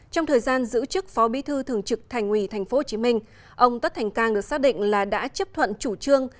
trong thời gian giữ chức phó bí thư thường trực thành ủy tp hcm ông tất thành cang được xác định là đã chấp thuận chủ trương